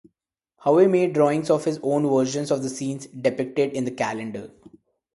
Howe made drawings of his own versions of the scenes depicted in the calendar.